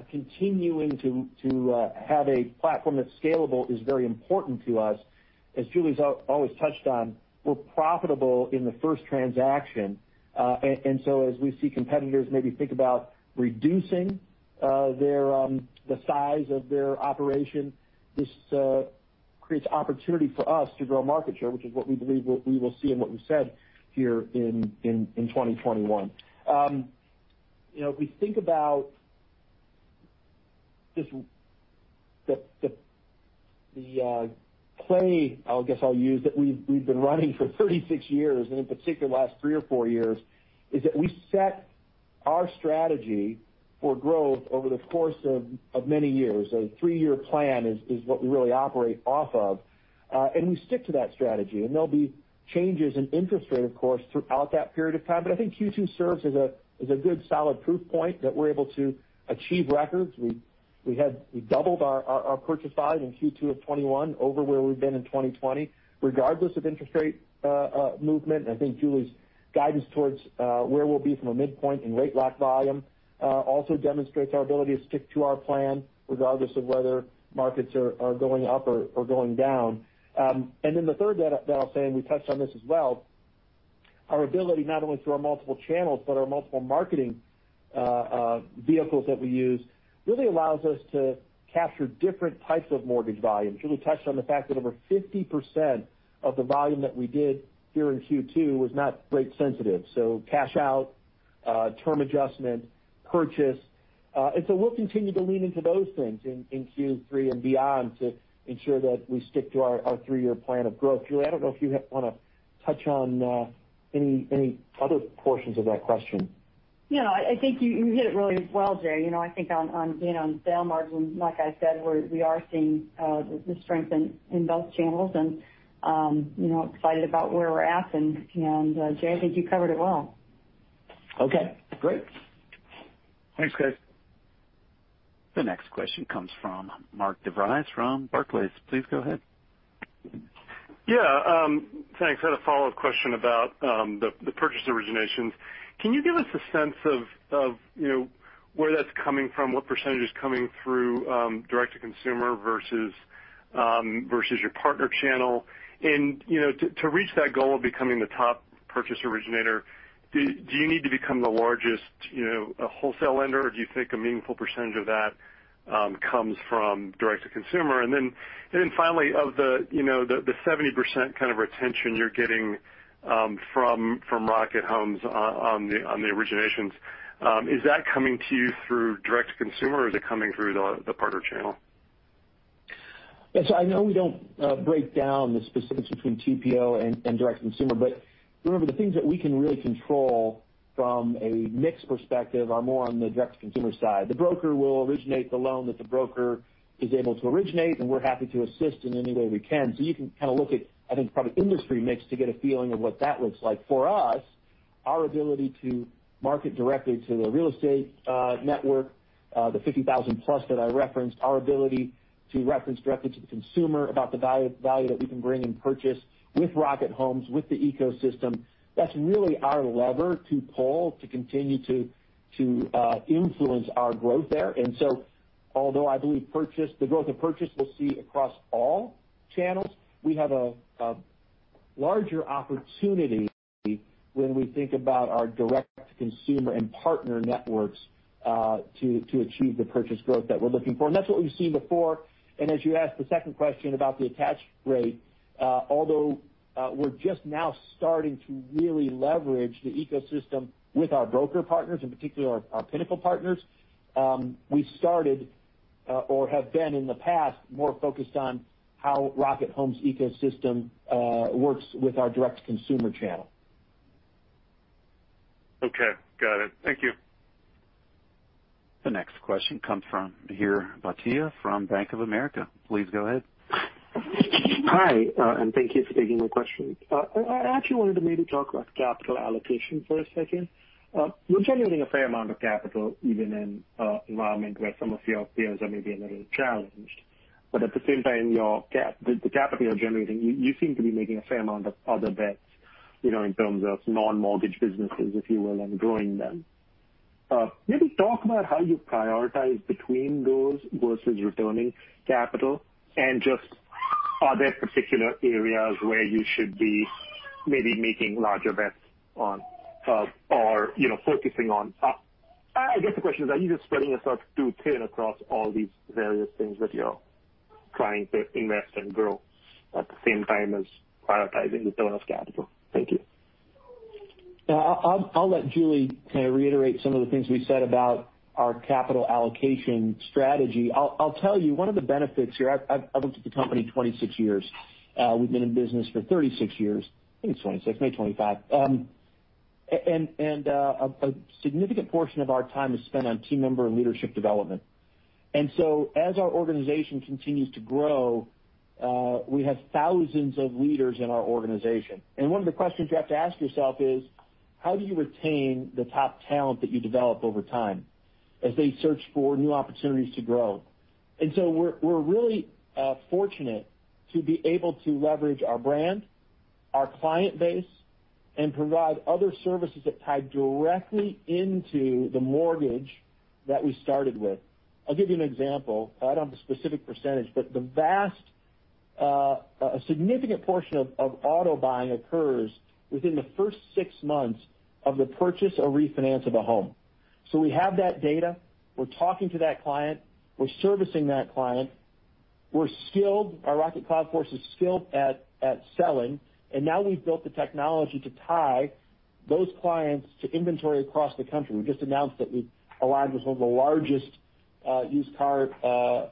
continuing to have a platform that's scalable is very important to us. As Julie's always touched on, we're profitable in the first transaction. As we see competitors maybe think about reducing the size of their operation, this creates opportunity for us to grow market share, which is what we believe we will see and what we've said here in 2021. If we think about just the play, I guess I'll use, that we've been running for 36 years, in particular last three or four years, is that we set our strategy for growth over the course of many years. A three-year plan is what we really operate off of. We stick to that strategy. There'll be changes in interest rate, of course, throughout that period of time. I think Q2 serves as a good solid proof point that we're able to achieve records. We doubled our purchase size in Q2 of 2021 over where we've been in 2020, regardless of interest rate movement. I think Julie's guidance towards where we'll be from a midpoint and rate lock volume also demonstrates our ability to stick to our plan regardless of whether markets are going up or going down. The third that I'll say, and we touched on this as well, our ability not only through our multiple channels, but our multiple marketing vehicles that we use, really allows us to capture different types of mortgage volumes. Julie touched on the fact that over 50% of the volume that we did here in Q2 was not rate sensitive, so cash out, term adjustment, purchase. We'll continue to lean into those things in Q3 and beyond to ensure that we stick to our three-year plan of growth. Julie, I don't know if you want to touch on any other portions of that question. I think you hit it really well, Jay. I think on gain on sale margin, like I said, we are seeing the strength in both channels, and excited about where we're at. Jay, I think you covered it well. Okay, great. Thanks, guys. The next question comes from Mark DeVries from Barclays. Please go ahead. Yeah. Thanks. I had a follow-up question about the purchase originations. Can you give us a sense of where that's coming from, what percentage is coming through direct to consumer versus your partner channel? To reach that goal of becoming the top purchase originator, do you need to become the largest wholesale lender, or do you think a meaningful percentage of that comes from direct to consumer? Finally, of the 70% kind of retention you're getting from Rocket Homes on the originations, is that coming to you through direct to consumer, or is it coming through the partner channel? I know we don't break down the specifics between TPO and direct to consumer. Remember, the things that we can really control from a mix perspective are more on the direct to consumer side. The broker will originate the loan that the broker is able to originate, and we're happy to assist in any way we can. You can kind of look at, I think, probably industry mix to get a feeling of what that looks like. For us, our ability to market directly to a real estate network, the 50,000+ that I referenced, our ability to reference directly to the consumer about the value that we can bring and purchase with Rocket Homes, with the ecosystem, that's really our lever to pull to continue to influence our growth there. Although I believe the growth of purchase we'll see across all channels, we have a larger opportunity when we think about our direct-to-consumer and partner networks to achieve the purchase growth that we're looking for. That's what we've seen before. As you asked the second question about the attach rate, although we're just now starting to really leverage the ecosystem with our broker partners, in particular our Pinnacle partners, have been in the past, more focused on how Rocket Homes ecosystem works with our direct-to-consumer channel. Okay, got it. Thank you. The next question comes from Mihir Bhatia from Bank of America. Please go ahead. Hi, thank you for taking my question. I actually wanted to maybe talk about capital allocation for a second. You're generating a fair amount of capital even in an environment where some of your peers are maybe a little challenged. At the same time, the capital you're generating, you seem to be making a fair amount of other bets in terms of non-mortgage businesses, if you will, and growing them. Maybe talk about how you prioritize between those versus returning capital and just are there particular areas where you should be maybe making larger bets on or focusing on. I guess the question is, are you just spreading yourself too thin across all these various things that you're trying to invest and grow at the same time as prioritizing the return of capital? Thank you. I'll let Julie kind of reiterate some of the things we said about our capital allocation strategy. I'll tell you one of the benefits here. I've looked at the company 26 years. We've been in business for 36 years. I think it's 26, maybe 25. A significant portion of our time is spent on team member and leadership development. As our organization continues to grow, we have thousands of leaders in our organization. One of the questions you have to ask yourself is, how do you retain the top talent that you develop over time as they search for new opportunities to grow? We're really fortunate to be able to leverage our brand, our client base, and provide other services that tie directly into the mortgage that we started with. I'll give you an example. I don't have a specific percentage, but a significant portion of auto buying occurs within the first six months of the purchase or refinance of a home. We have that data. We're talking to that client. We're servicing that client. Our Rocket Cloud Force is skilled at selling, and now we've built the technology to tie those clients to inventory across the country. We just announced that we've aligned with one of the largest used car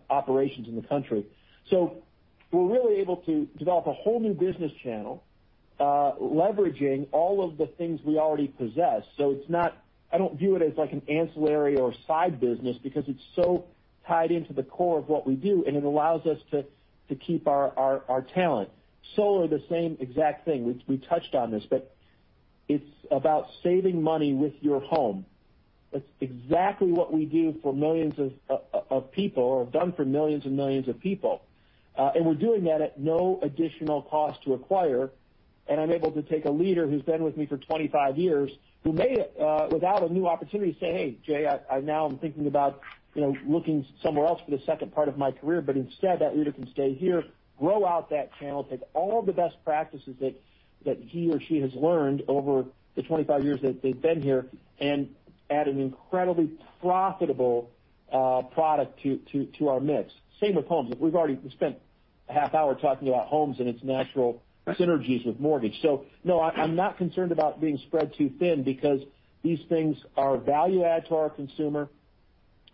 operations in the country. We're really able to develop a whole new business channel, leveraging all of the things we already possess. I don't view it as like an ancillary or side business because it's so tied into the core of what we do, and it allows us to keep our talent. Solar, the same exact thing. We touched on this, but it's about saving money with your home. That's exactly what we do for millions of people or have done for millions and millions of people. We're doing that at no additional cost to acquire. I'm able to take a leader who's been with me for 25 years, who may, without a new opportunity, say, "Hey, Jay Farner, I now am thinking about looking somewhere else for the second part of my career." Instead, that leader can stay here, grow out that channel, take all the best practices that he or she has learned over the 25 years that they've been here, and add an incredibly profitable product to our mix. Same with homes. We've spent a half hour talking about homes and its natural synergies with mortgage. No, I'm not concerned about being spread too thin because these things are value add to our consumer,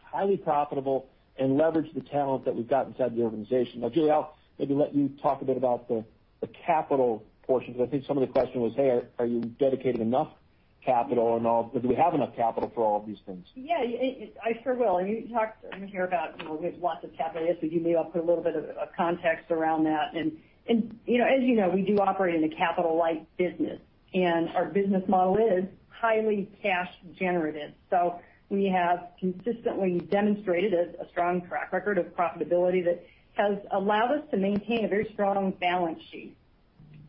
highly profitable, and leverage the talent that we've got inside the organization. Julie, I'll maybe let you talk a bit about the capital portion, because I think some of the question was, hey, are you dedicating enough capital and all, or do we have enough capital for all of these things? Yeah, I sure will. You talked here about we have lots of capital to invest, but you may want to put a little bit of context around that. As you know, we do operate in a capital-light business, and our business model is highly cash generative. We have consistently demonstrated a strong track record of profitability that has allowed us to maintain a very strong balance sheet.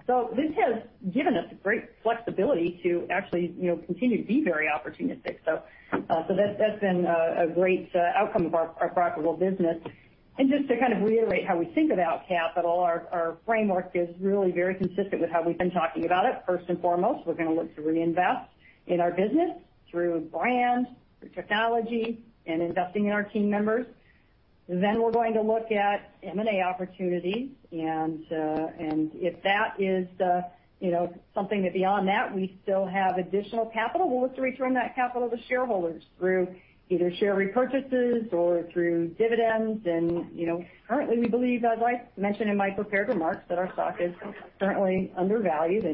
This has given us great flexibility to actually continue to be very opportunistic. That's been a great outcome of our profitable business. Just to kind of reiterate how we think about capital, our framework is really very consistent with how we've been talking about it. First and foremost, we're going to look to reinvest in our business through brand, through technology, and investing in our team members. We're going to look at M&A opportunities. If that is something that beyond that, we still have additional capital, we'll look to return that capital to shareholders through either share repurchases or through dividends. Currently, we believe, as I mentioned in my prepared remarks, that our stock is currently undervalued.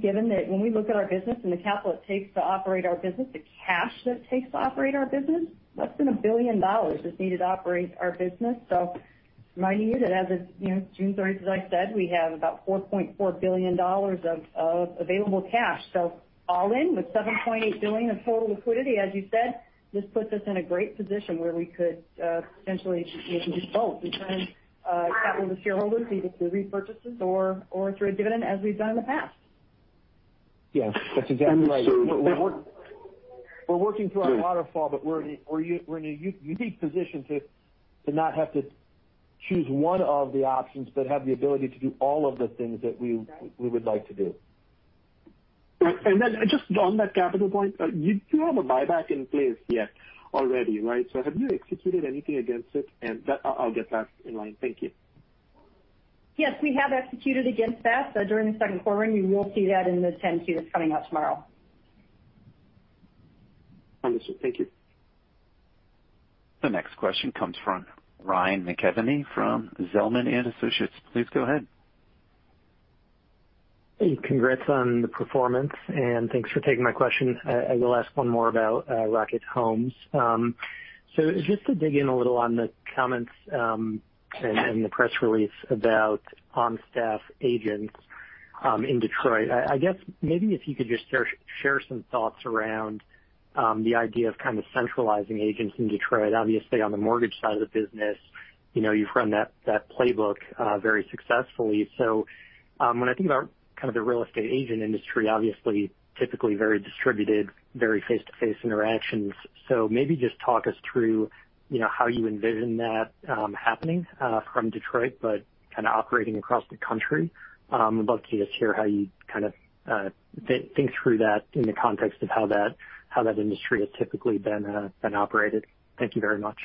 Given that when we look at our business and the capital it takes to operate our business, the cash that it takes to operate our business, less than $1 billion is needed to operate our business. Reminding you that as of June 30th, as I said, we have about $4.4 billion of available cash. All in with $7.8 billion of total liquidity, as you said, this puts us in a great position where we could potentially do both. We can return capital to shareholders either through repurchases or through a dividend as we've done in the past. Yes, that's exactly right. We're working through our waterfall, but we're in a unique position to not have to choose one of the options, but have the ability to do all of the things that we would like to do. Just on that capital point, you do have a buyback in place yet already, right? Have you executed anything against it? I'll get that in line. Thank you. Yes, we have executed against that during the second quarter, and you will see that in the 10-Q that's coming out tomorrow. Understood. Thank you. The next question comes from Ryan McKeveny from Zelman & Associates. Please go ahead. Hey, congrats on the performance. Thanks for taking my question. I will ask 1 more about Rocket Homes. Just to dig in a little on the comments, and the press release about on-staff agents, in Detroit. I guess maybe if you could just share some thoughts around the idea of kind of centralizing agents in Detroit, obviously on the mortgage side of the business, you've run that playbook very successfully. When I think about kind of the real estate agent industry, obviously typically very distributed, very face-to-face interactions. Maybe just talk us through how you envision that happening from Detroit, but kind of operating across the country. I'd love to just hear how you kind of think through that in the context of how that industry has typically been operated. Thank you very much.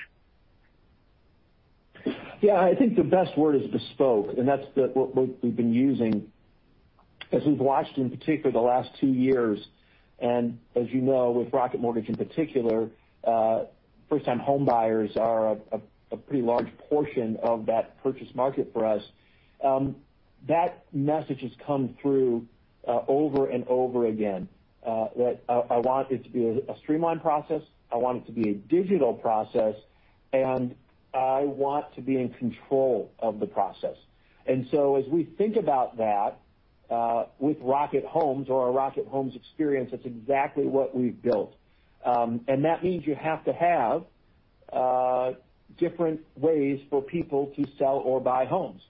Yeah, I think the best word is bespoke, and that's what we've been using as we've watched in particular the last two years. As you know, with Rocket Mortgage in particular, first-time homebuyers are a pretty large portion of that purchase market for us. That message has come through over and over again, that I want it to be a streamlined process, I want it to be a digital process, and I want to be in control of the process. As we think about that, with Rocket Homes or our Rocket Homes experience, that's exactly what we've built. That means you have to have different ways for people to sell or buy homes.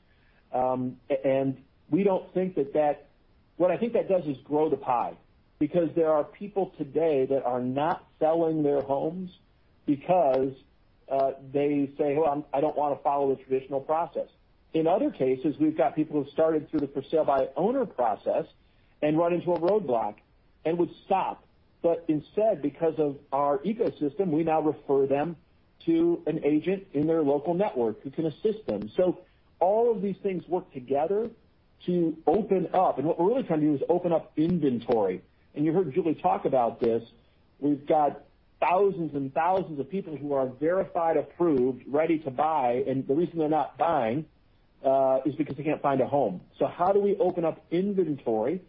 What I think that does is grow the pie because there are people today that are not selling their homes because they say, "Well, I don't want to follow the traditional process." In other cases, we've got people who started through the for sale by owner process and run into a roadblock and would stop. Instead, because of our ecosystem, we now refer them to an agent in their local network who can assist them. All of these things work together to open up. What we're really trying to do is open up inventory. You heard Julie talk about this. We've got thousands and thousands of people who are verified, approved, ready to buy, and the reason they're not buying, is because they can't find a home. How do we open up inventory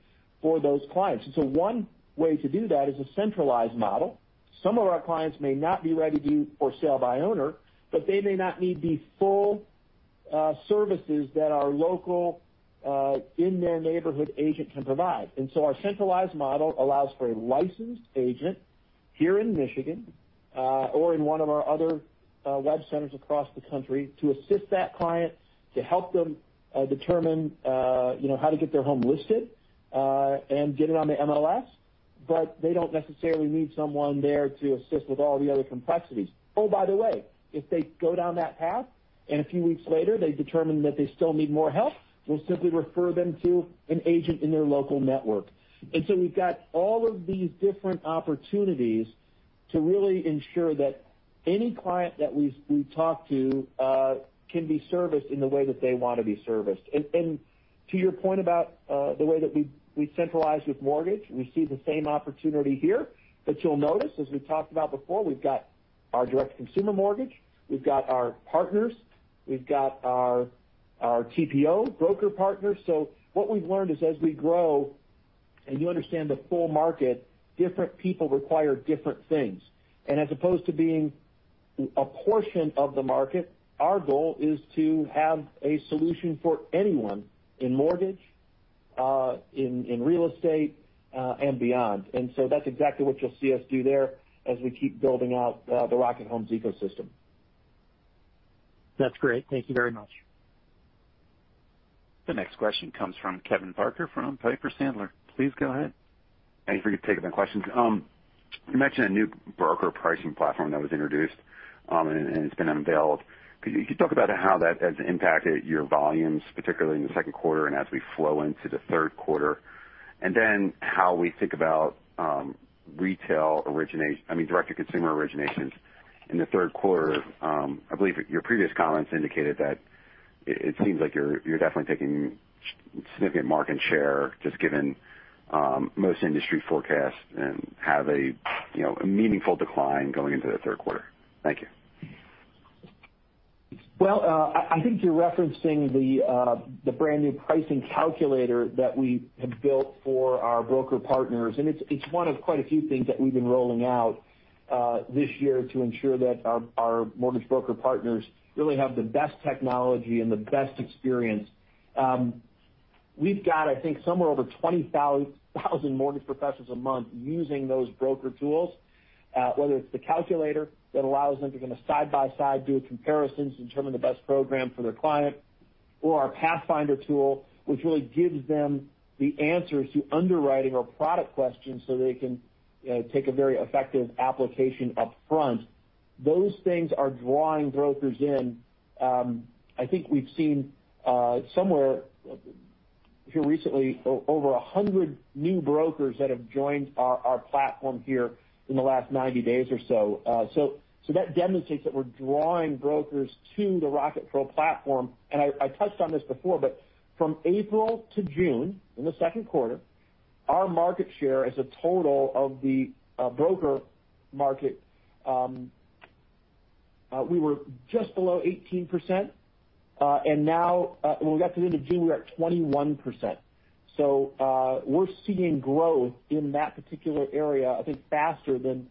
for those clients? One way to do that is a centralized model. Some of our clients may not be ready to do for sale by owner, but they may not need the full services that our local, in-their-neighborhood agent can provide. Our centralized model allows for a licensed agent here in Michigan, or in one of our other web centers across the country to assist that client, to help them determine how to get their home listed, and get it on the MLS, but they don't necessarily need someone there to assist with all the other complexities. Oh, by the way, if they go down that path and a few weeks later, they determine that they still need more help, we'll simply refer them to an agent in their local network. We've got all of these different opportunities to really ensure that any client that we talk to can be serviced in the way that they want to be serviced. To your point about the way that we centralize with mortgage, we see the same opportunity here. You'll notice, as we've talked about before, we've got our direct consumer mortgage, we've got our partners, we've got our TPO broker partners. What we've learned is as we grow and you understand the full market, different people require different things. As opposed to being a portion of the market, our goal is to have a solution for anyone in mortgage, in real estate, and beyond. That's exactly what you'll see us do there as we keep building out the Rocket Homes ecosystem. That's great. Thank you very much. The next question comes from Kevin Barker from Piper Sandler. Please go ahead. Thank you for taking the questions. You mentioned a new broker pricing platform that was introduced, and it's been unveiled. Could you talk about how that has impacted your volumes, particularly in the second quarter and as we flow into the third quarter? Then how we think about direct-to-consumer originations in the third quarter. I believe your previous comments indicated that it seems like you're definitely taking significant market share just given most industry forecasts have a meaningful decline going into the third quarter. Thank you. Well, I think you're referencing the brand-new pricing calculator that we have built for our broker partners, and it's one of quite a few things that we've been rolling out this year to ensure that our mortgage broker partners really have the best technology and the best experience. We've got, I think, somewhere over 20,000 mortgage professionals a month using those broker tools. Whether it's the calculator that allows them to kind of side by side do comparisons to determine the best program for their client, or our Pathfinder tool, which really gives them the answers to underwriting or product questions so they can take a very effective application up front. Those things are drawing brokers in. I think we've seen somewhere here recently over 100 new brokers that have joined our platform here in the last 90 days or so. That demonstrates that we're drawing brokers to the Rocket Pro platform. I touched on this before, but from April to June, in the second quarter, our market share as a total of the broker market. We were just below 18%, and now when we got to the end of June, we are at 21%. We're seeing growth in that particular area, I think, faster than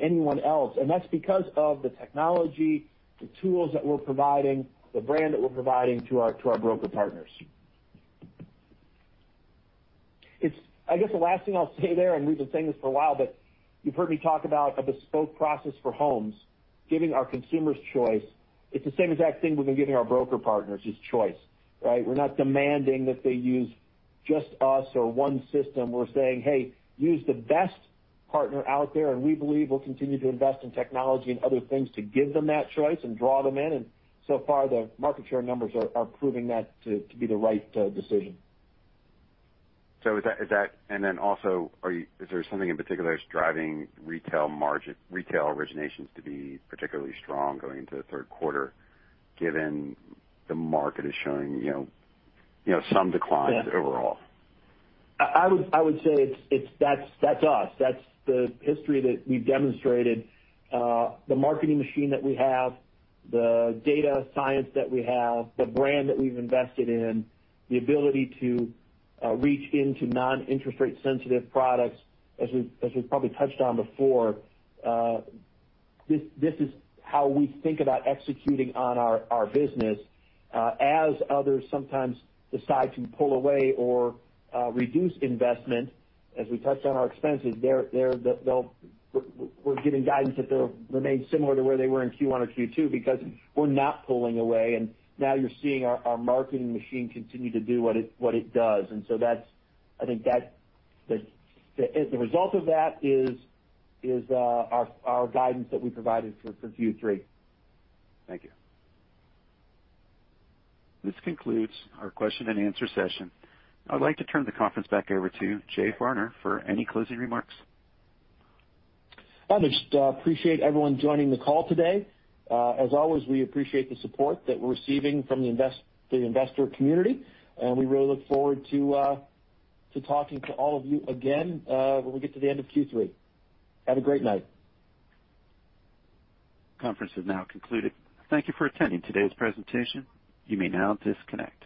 anyone else. That's because of the technology, the tools that we're providing, the brand that we're providing to our broker partners. The last thing I'll say there, we've been saying this for a while, you've heard me talk about a bespoke process for homes, giving our consumers choice. It's the same exact thing we've been giving our broker partners, is choice. We're not demanding that they use just us or one system. We're saying, "Hey, use the best partner out there." We believe we'll continue to invest in technology and other things to give them that choice and draw them in. So far, the market share numbers are proving that to be the right decision. Is there something in particular that's driving retail originations to be particularly strong going into the third quarter, given the market is showing some declines overall? Yeah. I would say that's us. That's the history that we've demonstrated, the marketing machine that we have, the data science that we have, the brand that we've invested in, the ability to reach into non-interest rate sensitive products. As we've probably touched on before, this is how we think about executing on our business. As others sometimes decide to pull away or reduce investment, as we touched on our expenses, we're giving guidance that they'll remain similar to where they were in Q1 or Q2 because we're not pulling away. Now you're seeing our marketing machine continue to do what it does. So I think the result of that is our guidance that we provided for Q3. Thank you. This concludes our question-and-answer session. I'd like to turn the conference back over to Jay Farner for any closing remarks. I just appreciate everyone joining the call today. As always, we appreciate the support that we're receiving from the investor community, and we really look forward to talking to all of you again when we get to the end of Q3. Have a great night. Conference is now concluded. Thank you for attending today's presentation. You may now disconnect.